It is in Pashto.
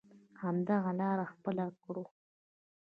همدغه لاره خپله کړو.